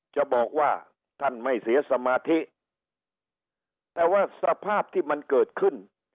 จะบอกว่าท่านไม่เสียสมาธิแต่ว่าสภาพที่มันเกิดขึ้น